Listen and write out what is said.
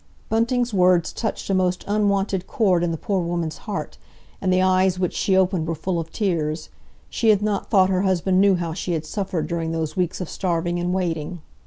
Bunting's words touched a most unwonted chord in the poor woman's heart, and the eyes which she opened were full of tears. She had not thought her husband knew how she had suffered during those weeks of starving and waiting.